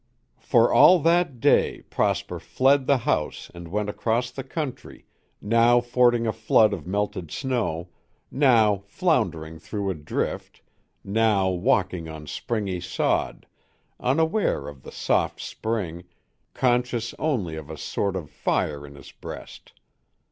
For all that day Prosper fled the house and went across the country, now fording a flood of melted snow, now floundering through a drift, now walking on springy sod, unaware of the soft spring, conscious only of a sort of fire in his breast.